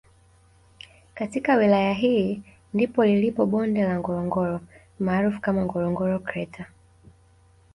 Katika wilaya hii ndipo lilipo bonde la Ngorongoro maarufu kama Ngorongoro kreta